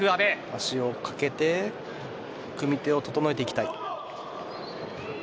足を掛けて組み手を整えていきたい。